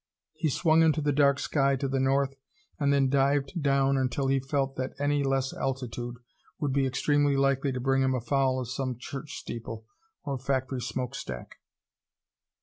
He swung into the dark sky to the north and then dived down until he felt that any less altitude would be extremely likely to bring him afoul of some church steeple or factory smokestack.